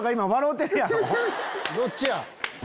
どっちや？